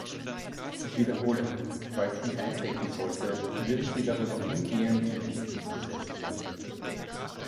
Ich wiederhole, falls dies eintreten sollte, würden Sie darüber umgehend in Kenntnis gesetzt werden.